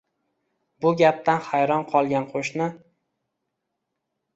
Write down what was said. Bu gapdan hayron qolgan qoʻshni